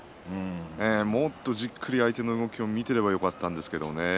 もっと、じっくりと相手の動きを見ていればよかったんですけれどもね。